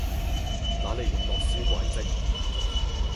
乃利用洛書軌跡